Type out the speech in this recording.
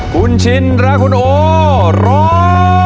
คุณชินและคุณโอร้อง